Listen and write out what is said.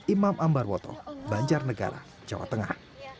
imam ambarwoto banjar negara jawa tengah